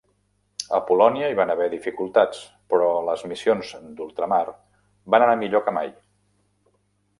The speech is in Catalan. A Polònia hi van haver dificultats, però les missions d'ultramar van anar millor que mai.